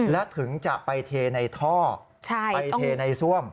และถึงจะไปแทนในท่อไปแทนในส้วม